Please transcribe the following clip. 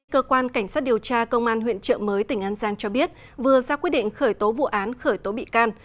cơ quan cảnh sát điều tra công an huyện trợ mới tỉnh an giang cho biết vừa ra quyết định khởi tố vụ án khởi tố bị can